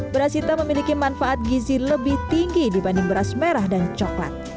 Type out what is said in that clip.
beras hitam memiliki manfaat gizi lebih tinggi dibanding beras merah dan coklat